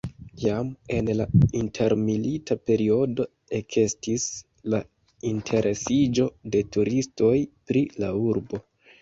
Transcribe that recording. Jam en la intermilita periodo ekestis la interesiĝo de turistoj pri la urbo.